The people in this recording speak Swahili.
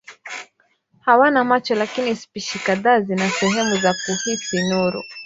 Hawana macho lakini spishi kadhaa zina sehemu za kuhisi nuru.